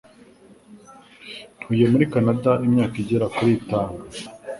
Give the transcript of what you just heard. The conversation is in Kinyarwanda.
Ntuye muri Kanada imyaka igera kuri itanu.